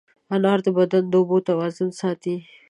انار د بدن د اوبو توازن ساتي.